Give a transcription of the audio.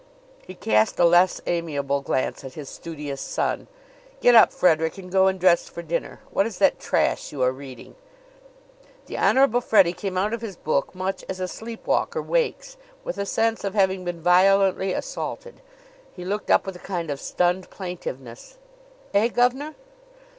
He cast a less amiable glance at his studious son. "Get up, Frederick, and go and dress for dinner. What is that trash you are reading?" The Honorable Freddie came out of his book much as a sleepwalker wakes with a sense of having been violently assaulted. He looked up with a kind of stunned plaintiveness. "Eh, gov'nor?"